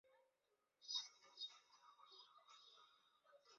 这三个国家分别为阿根廷。